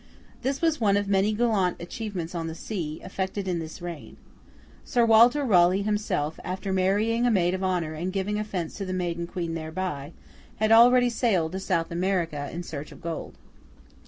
This was one of many gallant achievements on the sea, effected in this reign. Sir Walter Raleigh himself, after marrying a maid of honour and giving offence to the Maiden Queen thereby, had already sailed to South America in search of gold.